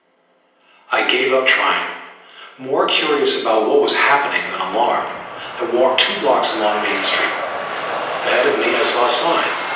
I gave up trying, more curious about what was happening than alarmed. I walked two blocks along Main Street. Ahead of me I saw a sign.